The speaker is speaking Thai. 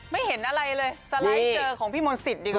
ไม่เห็นอะไรเลยสไลด์เจอของพี่มนต์สิทธิดีกว่า